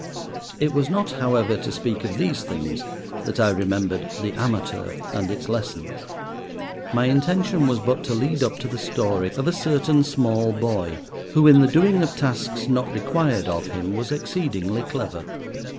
It was not, however, to speak of these things that I remembered The Amateur and its lessons. My intention was but to lead up to the story of a certain small boy, who in the doing of tasks not required of him was exceedingly clever.